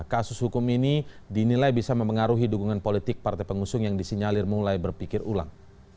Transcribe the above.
kasus hukum ini dinilai bisa mempengaruhi dukungan politik partai pengusung yang disinyalir mulai berpikir ulang